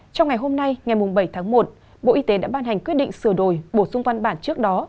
trong ngày hôm nay ngày bảy tháng một bộ y tế đã ban hành quyết định sửa đổi bổ sung văn bản trước đó